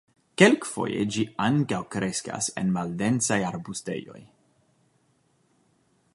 Kelkfoje ĝi ankaŭ kreskas en maldensaj arbustejoj.